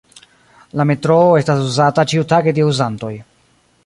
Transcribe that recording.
La metroo estas uzata ĉiutage de uzantoj.